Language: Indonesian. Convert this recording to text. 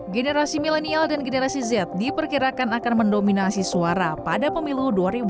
generasi milenial dan generasi z diperkirakan akan mendominasi suara pada pemilu dua ribu dua puluh